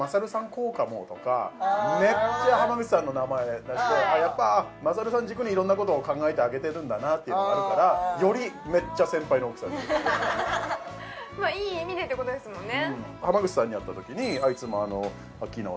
こうかも」とかめっちゃ濱口さんの名前出してあなるほどねやっぱ優さん軸にいろんなことを考えてあげてるんだなっていうのがあるからよりめっちゃ先輩の奥さんいい意味でってことですもんね